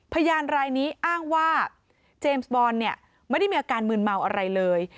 พยานรายนี้อ้างว่าเจมส์บอลเนี่ยไม่ได้มีอาการมืนเมาอะไรเลย